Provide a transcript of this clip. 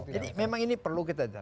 jadi memang ini perlu kita jawab